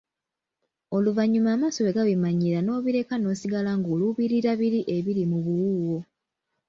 Oluvanyuma amaaso bwe gabimanyiira n'obireka n'osigala ng'oluubirira biri ebiri mu buwuuwo.